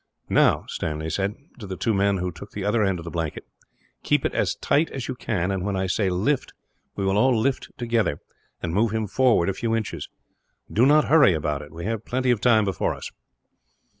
"Now," Stanley said, to the two men who took the other end of the blanket, "keep it as tight as you can and, when I say 'lift,' we will all lift together, and move him forward a few inches. Do not hurry over it we have plenty of time before us."